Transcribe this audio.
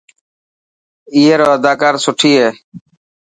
اي رو اداڪار سٺي هي.